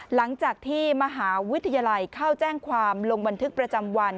หลังจากที่มหาวิทยาลัยเข้าแจ้งความลงบันทึกประจำวัน